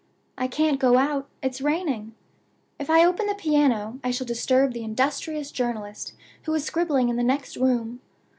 I can't go out, it's raining. If I open the piano, I shall disturb the industrious journalist who is scribbling in the next room.